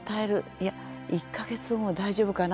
いや１か月後も大丈夫かな。